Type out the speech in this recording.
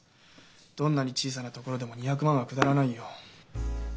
どんなに小さな所でも２００万は下らないよ。